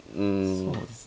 そうですね。